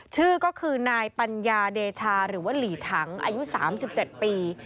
ชื่อก็คือนายปัญญาเดชาหรือว่าหลีถังอายุ๓๗ปี